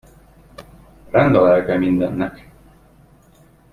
Rend a lelke mindennek.